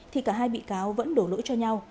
thì cả hai bị cáo vẫn đổ lỗi cho nhau